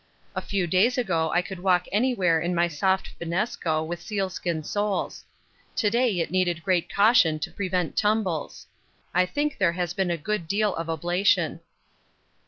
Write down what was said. A few days ago I could walk anywhere in my soft finnesko with sealskin soles; to day it needed great caution to prevent tumbles. I think there has been a good deal of ablation.